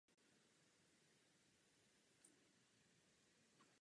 Hledáme hlavu, a hlava jste vy!